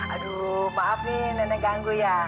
aduh maaf nih nenek ganggu ya